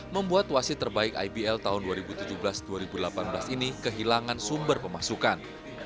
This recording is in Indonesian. membuat wasit terbaik ibl tahun dua ribu tujuh belas dua ribu delapan belas ini kehilangan sumber pemasukan